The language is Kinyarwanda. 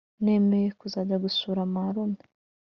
nemeye kuzajya gusura marume